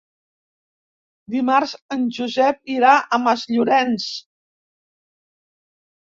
Dimarts en Josep irà a Masllorenç.